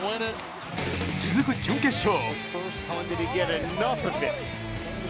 続く準決勝。